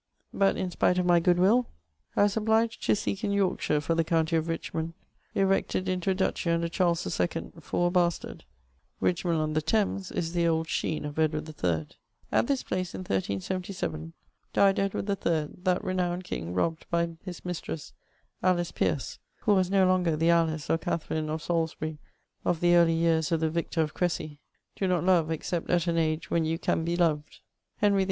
But in spite of my good will, I was obliged to seek in Yorkshire for the county of Richmond, erected into a duchy under Charles IL, for a bastard ; Richmond on the Thames is the old Sheen of Edward III. At this place, in 1377, died Edward III., that renowned long robbea by his mistress, Alice Pearce, who was no longer the Alice or Catherine of Salisbuiy of the early years of the victor of Cressy ; do not lore except at an age when you can be loved. Henry VIII.